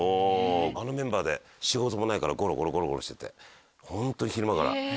あのメンバーで仕事もないからゴロゴロしてて本当に昼間から。